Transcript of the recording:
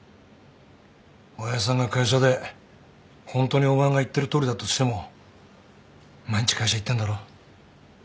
親父さんが会社でホントにお前が言ってるとおりだとしても毎日会社行ってんだろ。